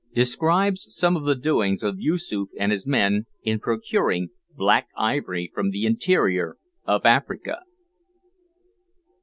DESCRIBES SOME OF THE DOINGS OF YOOSOOF AND HIS MEN IN PROCURING BLACK IVORY FROM THE INTERIOR OF AFRICA.